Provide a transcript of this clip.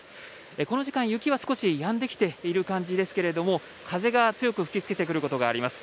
この時間、雪は少しやんできている感じですけれども風が強く吹きつけてくることがあります。